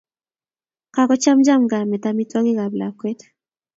Kakochamcham kamet amitwogikap lakwet